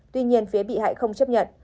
tuy nhiên phía bị hại không chấp nhận